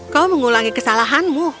kau mengulangi kesalahanmu